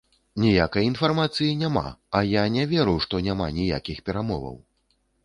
Ніякай інфармацыі няма, а я не веру, што няма ніякіх перамоваў.